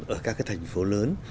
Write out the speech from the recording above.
ở các cái thành phố lớn